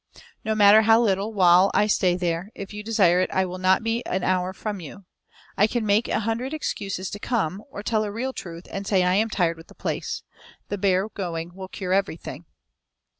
No matter how little while I stay there; if you desire it I will not be an hour from you. I can make an hundred excuses to come home, or tell a real truth, and say I am tired with the place. The bare going will cure everything."